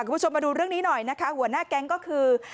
คุณผู้ชมมาดูเรื่องนี้หน่อยนะคะหัวหน้าแก๊งก็คือ